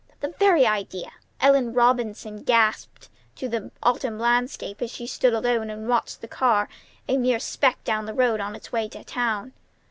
"The very idea!" Ellen Robinson gasped to the autumn landscape as she stood alone and watched the car, a mere speck down the road, on its way to town.